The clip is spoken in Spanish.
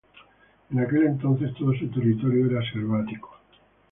En aquel entonces todo su territorio era selvático.